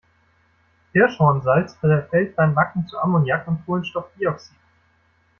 Hirschhornsalz zerfällt beim Backen zu Ammoniak und Kohlenstoffdioxid.